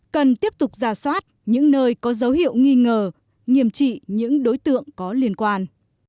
cần tiếp tục ra soát những nơi có dấu hiệu nghi ngờ nghiêm trị những đối tượng có liên quan